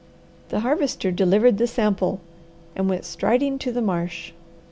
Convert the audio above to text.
The Harvester delivered the sample, and went striding to the marsh.